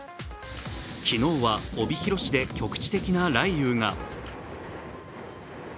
昨日は帯広市で局地的な雷雨が。